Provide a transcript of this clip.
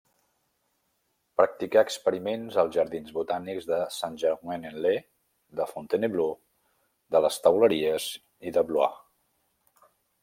Practicà experiments als jardins botànics de Saint-Germain-en-Laye, de Fontainebleau, de les Teuleries i de Blois.